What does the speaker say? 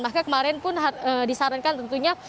maka kemarin pun disarankan tentunya